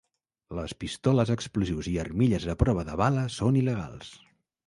Les pistoles, explosius i armilles a prova de bales són il·legals.